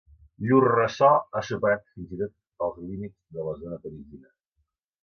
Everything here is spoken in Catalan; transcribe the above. Llur ressò ha superat fins i tot els límits de la zona parisina.